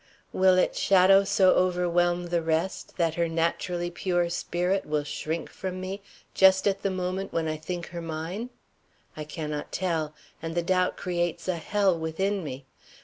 Will its shadow so overwhelm the rest that her naturally pure spirit will shrink from me just at the moment when I think her mine? I cannot tell, and the doubt creates a hell within me.